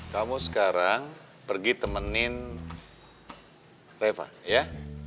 kamu sekarang pergi temenin reva ya